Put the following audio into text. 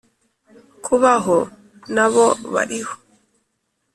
kubaho nabo bariho